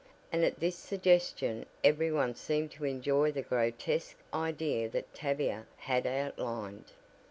and at this suggestion every one seemed to enjoy the grotesque idea that Tavia had outlined.